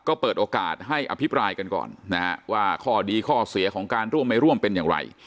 ก็เปิดโอกาสให้อภิปรายกันก่อนนะฮะว่าข้อดีข้อเสียของการร่วมไม่ร่วมเป็นอย่างไร